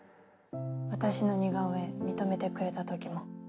私の似顔絵認めてくれた時も。